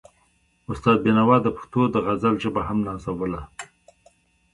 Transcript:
استاد بينوا د پښتو د غزل ژبه هم نازوله.